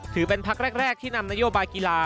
ถือเป็นพักแรกที่นำนโยบายกีฬา